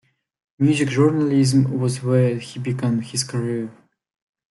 Music journalism was where he began his career.